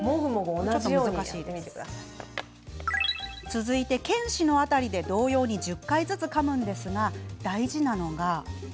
続いて犬歯の辺りで同様に１０回ずつ、かむのですが大事なことは。